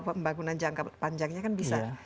pembangunan jangka panjangnya kan bisa